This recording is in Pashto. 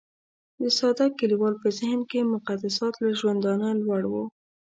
د ساده کليوال په ذهن کې مقدسات له ژوندانه لوړ وو.